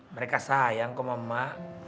mereka sayang kok sama emak